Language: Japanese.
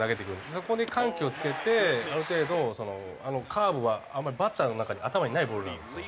そこで緩急をつけてある程度カーブはあんまりバッターの中に頭にないボールなんですよ。